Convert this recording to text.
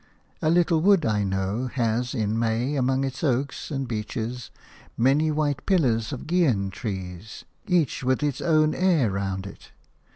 A little wood I know has in May among its oaks and beeches many white pillars of gean trees, each with its own air round it.